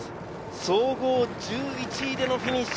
総合１１位でフィニッシュ。